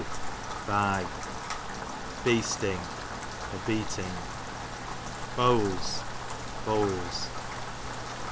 Be, by. Beasting, a beating. Beawls, bowls.